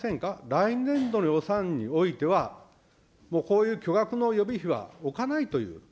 来年度予算においては、もうこういう巨額の予備費は置かないという。